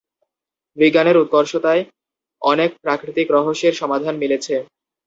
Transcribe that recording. বিজ্ঞানের উৎকর্ষতায় অনেক প্রাকৃতিক রহস্যের সমাধান মিলেছে।